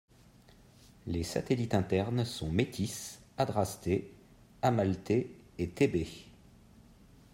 Les satellites internes sont Métis, Adrastée, Amalthée et Thébé.